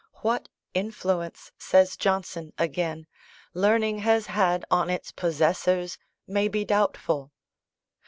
"What influence," says Johnson again, "learning has had on its possessors may be doubtful."